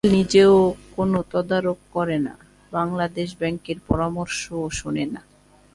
অর্থ মন্ত্রণালয় নিজেও কোনো তদারক করে না, বাংলাদেশ ব্যাংকের পরামর্শও শোনে না।